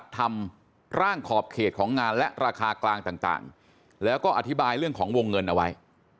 ทำร่างขอบเขตของงานและราคากลางต่างแล้วก็อธิบายเรื่องของวงเงินเอาไว้